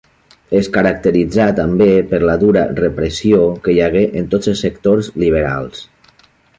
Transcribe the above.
Es caracteritzà també per la dura repressió que hi hagué en tots els sectors liberals.